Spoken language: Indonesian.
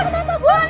kenapa bu panas